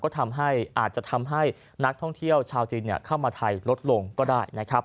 ก็ทำให้อาจจะทำให้นักท่องเที่ยวชาวจีนเข้ามาไทยลดลงก็ได้นะครับ